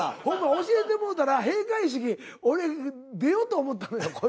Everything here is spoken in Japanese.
ほんま教えてもうたら閉会式俺出ようと思ったのよ